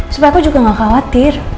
supaya aku juga gak khawatir